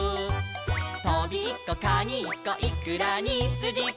「トビッコカニッコイクラにスジコ」